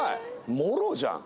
もろじゃん。